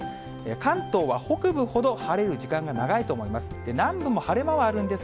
関東は北部ほど晴れる時間が長いと思います。